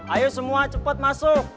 ayo semua cepet masuk